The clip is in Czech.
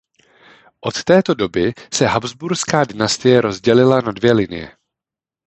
Od této doby se Habsburská dynastie rozdělila na dvě linie.